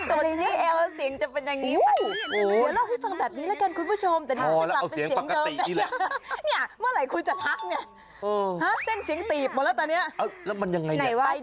ตอนดีเอลเสียงจะเป็นอย่างนี้